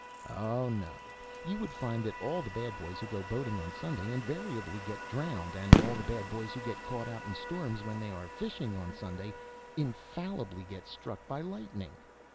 Oh, no; you would find that all the bad boys who go boating on Sunday invariably get drowned; and all the bad boys who get caught out in storms when they are fishing on Sunday infallibly get struck by lightning.